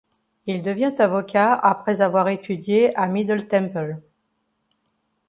Il devient avocat après avoir étudié à Middle Temple.